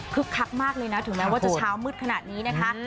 คักมากเลยนะถึงแม้ว่าจะเช้ามืดขนาดนี้นะคะ